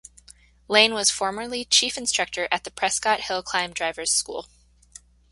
Lane was formerly chief instructor at the Prescott Hillclimb Drivers School.